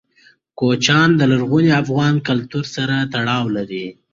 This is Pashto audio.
کوچیان د لرغوني افغان کلتور سره تړاو لري.